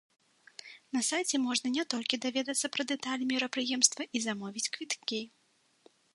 На сайце можна не толькі даведацца пра дэталі мерапрыемства і замовіць квіткі.